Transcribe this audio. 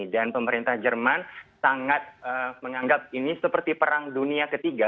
dan pemerintah jerman sangat menganggap ini seperti perang dunia ketiga